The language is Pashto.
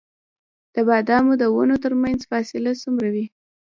د بادامو د ونو ترمنځ فاصله څومره وي؟